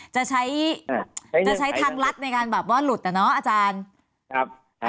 จะใช้จะใช้ทางรัฐในการแบบว่าหลุดอะเนาะอาจารย์ครับ